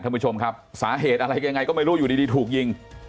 ท่านผู้ชมครับสาเหตุอะไรยังไงก็ไม่รู้อยู่ดีถูกยิง